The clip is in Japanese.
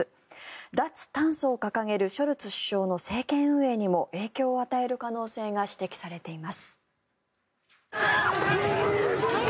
脱炭素を掲げるショルツ首相の政権運営にも影響を与える可能性が指摘されています。